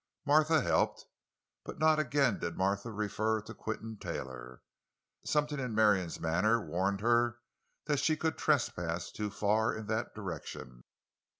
Martha helped, but not again did Martha refer to Quinton Taylor—something in Marion's manner warned her that she could trespass too far in that direction.